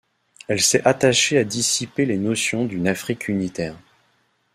Elle s'est attaché à dissiper les notions d'une Afrique unitaire.